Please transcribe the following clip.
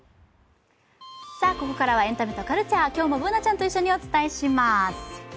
さあ、ここからはエンタメとカルチャー、今日もＢｏｏｎａちゃんと一緒にお伝えします。